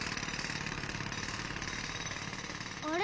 ・あれ？